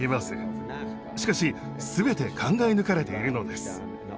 しかし全て考え抜かれているのです。